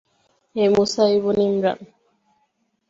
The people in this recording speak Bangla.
হে মূসা ইবন ইমরান!